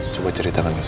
coba ceritakan ke saya